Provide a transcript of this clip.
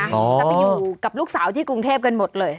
จะไปอยู่กับลูกสาวที่กรุงเทพกันหมดเลย